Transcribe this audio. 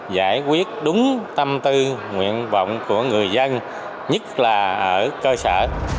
giải quyết đúng tâm tư nguyện vọng của người dân nhất là ở cơ sở